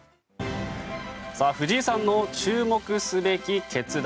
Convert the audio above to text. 藤井さんの注目すべき決断。